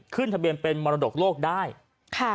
ขึ้นทะเบียนเป็นมรดกโลกได้ค่ะ